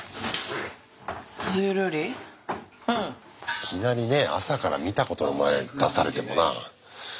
いきなりね朝から見たことないもん出されてもな。